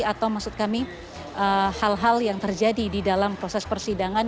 atau maksud kami hal hal yang terjadi di dalam proses persidangan